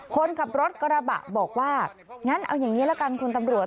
คนขับรถกระบะบอกว่างั้นเอาอย่างนี้ละกันคุณตำรวจ